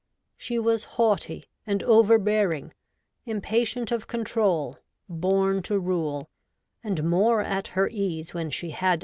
She was haughty and overbearing, impatient of control, born to rule, and more at her ease when she had.